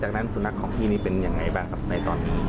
จากนั้นสุนัขของพี่นี่เป็นยังไงบ้างครับในตอนนี้